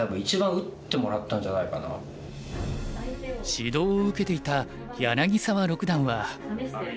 指導を受けていた柳澤六段は。